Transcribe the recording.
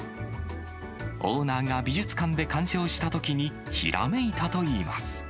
オーナーが美術館で鑑賞したときに、ひらめいたといいます。